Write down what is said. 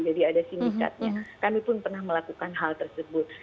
jadi ada sindikatnya kami pun pernah melakukan hal tersebut